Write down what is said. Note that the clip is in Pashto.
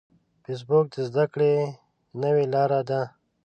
فېسبوک د زده کړې نوې لاره ده